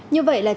như vậy là